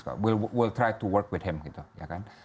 kita akan mencoba untuk bekerja bersama dia